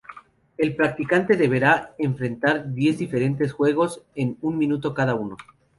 El participante deberá enfrentar diez diferentes juegos, en un minuto cada uno.